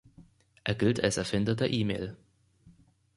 Er gilt als Erfinder der E-Mail.